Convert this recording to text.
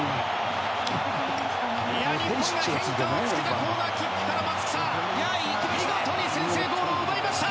日本が変化をつけたコーナーキックから見事に先制ゴールを奪いました！